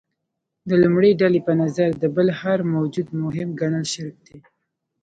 د لومړۍ ډلې په نظر د بل هر موجود مهم ګڼل شرک دی.